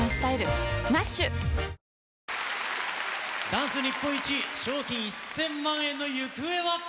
ダンス日本一、賞金１０００万円の行方は？